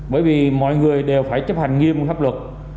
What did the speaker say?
bởi vì mọi người đều phải chấp hành nghiêm pháp luật